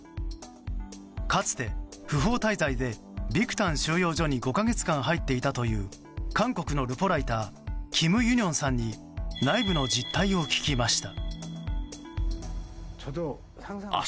かつて不法滞在でビクタン収容所に５か月間入っていたという韓国のルポライターキム・ユニョンさんに内部の実態を聞きました。